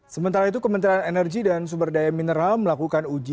sementara itu kementerian energi dan sumber daya mineral melakukan uji